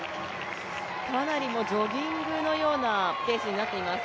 かなりジョギングのようなペースになっています。